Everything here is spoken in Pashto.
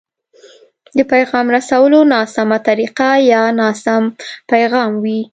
د پيغام رسولو ناسمه طريقه يا ناسم پيغام وي.